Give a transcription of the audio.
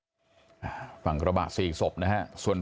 เสียใจค่ะไม่เคยคาดคิดว่ามันจะเกิดกับครอบครัวนี้ตั้งรักไม่ทัน